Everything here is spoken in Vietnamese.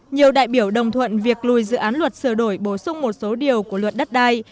nhiều đại biểu đồng thuận việc lùi dự án luật sửa đổi bổ sung một số điều của luật đất đai